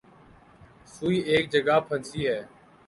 سوئی ایک جگہ پھنسی ہے۔